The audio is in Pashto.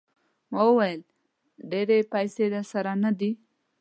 ما وویل ډېرې پیسې درسره نه دي.